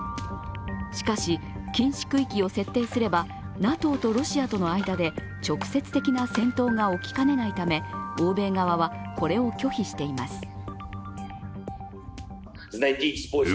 しかし、禁止区域を設定すればＮＡＴＯとロシアとの間で直接的な戦闘が起きかねないため欧米側はこれを拒否しています。